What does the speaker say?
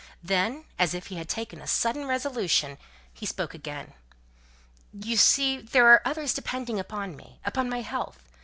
Then, as if he had taken a sudden resolution, he spoke again. "You see, there are others depending upon me upon my health.